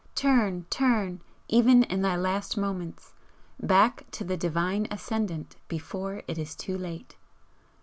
turn, turn, even in thy last moments, back to the Divine Ascendant before it is too late!"